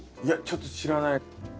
いやちょっと知らない。